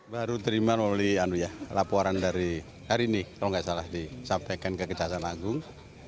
baru terima oleh laporan dari hari ini kalau tidak salah disampaikan ke kecasaan agung